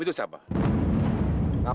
tidak ada yang tahu